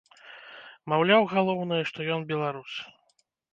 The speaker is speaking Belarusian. Маўляў, галоўнае, што ён беларус.